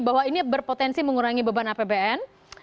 bahwa ini berpotensi mengurangi beban apbn